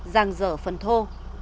giàng dở phần thô